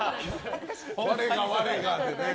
我が我がってね。